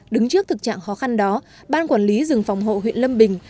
đứng trước thực trạng khó khăn đó ban quản lý rừng phòng hộ huyện lâm bình